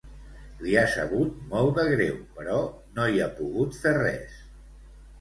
Li ha sabut molt de greu però no hi ha pogut fer res.